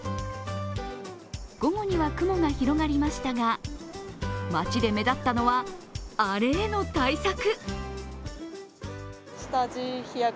午後には雲が広がりましたが、街で目立ったのは、あれへの対策。